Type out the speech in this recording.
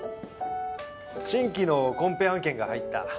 新規のコンペ案件が入った。